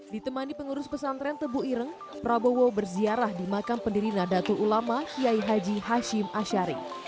ditemani pengurus pesantren tebu ireng prabowo berziarah di makam pendiri nadatul ulama kiai haji hashim ashari